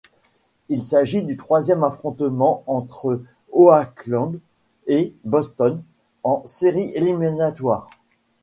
Il s'agit du troisième affrontement entre Oakland et Boston en séries éliminatoires.